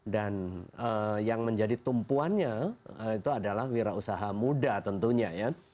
dan yang menjadi tumpuannya itu adalah wirausaha muda tentunya